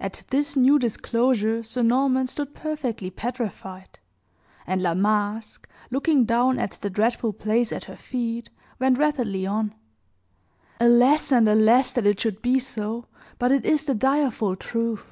At this new disclosure, Sir Norman stood perfectly petrified; and La Masque, looking down at the dreadful place at her feet, went rapidly on: "Alas and alas! that it should be so; but it is the direful truth.